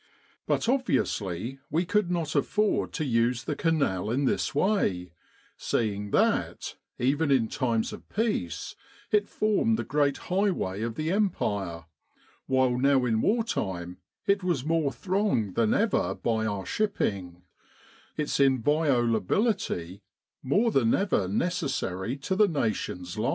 But obviously we could not afford to use the Canal in this way, seeing that, even in times of peace, it formed the great highway of the Empire, while now in war time it was more thronged than ever by our shipping, its inviolability more than ever necessary to the Nation's life.